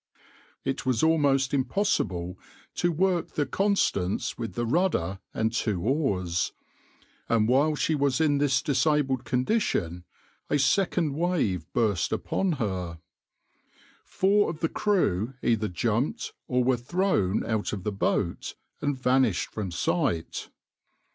\par It was almost impossible to work the {\itshape{Constance}} with the rudder and two oars, and while she was in this disabled condition a second wave burst upon her. Four of the crew either jumped or were thrown out of the boat, and vanished from sight.